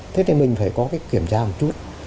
thế thì mình phải có cái kiểm tra một chút